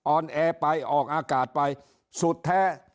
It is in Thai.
อนแอร์ไปออกอากาศไปสุดแท้